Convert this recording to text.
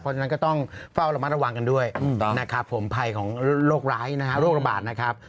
เพราะฉะนั้นก็ต้องเฝ้าระมัดระวังกันด้วยนะครับผมภัยของโรคร้ายนะฮะโรคระบาดนะครับ